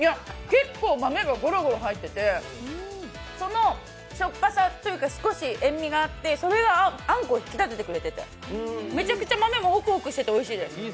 結構豆がごろごろ入ってて、そのしょっぱさというか、少し塩みがあってそれがあんこを引き立ててくれててめちゃくちゃ豆もほくほくしてておいしいです。